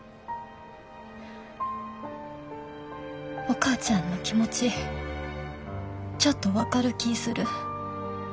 お母ちゃんの気持ちちょっと分かる気ぃする。